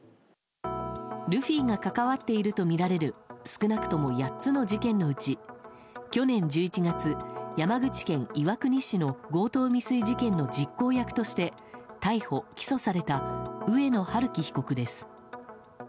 ルフィが関わったとみられる少なくとも８つの事件のうち去年１１月、山口県岩国市の強盗未遂事件の実行役として逮捕・起訴された上野晴生被告です。